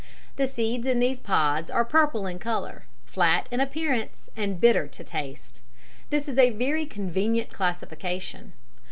The seeds in these pods are purple in colour, flat in appearance, and bitter to taste. This is a very convenient classification.